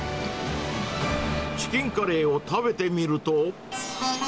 チキンカレーを食べてみると。